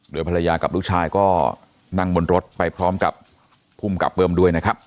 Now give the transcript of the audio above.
โดยภรรยากับลูกชายก็นั่งบนรถไปพร้อมกับภูมิกับเบิ้มด้วยนะครับ